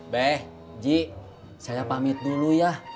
beh ji saya pamit dulu ya